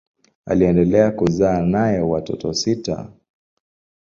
Aliendelea kuzaa naye watoto sita.